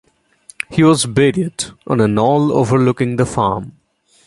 He was buried on a knoll overlooking the farm.